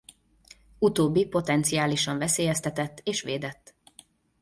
Utóbbi potenciálisan veszélyeztetett és védett.